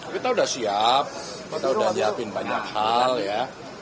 kita sudah siap kita sudah nyiapin banyak hal ya